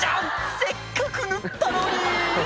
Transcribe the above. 「せっかく塗ったのに！」